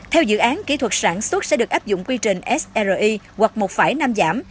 theo dự án kỹ thuật sản xuất sẽ được áp dụng quy trình sri hoặc một phải năm giảm